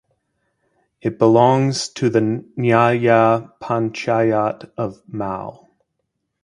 It belongs to the nyaya panchayat of Mau.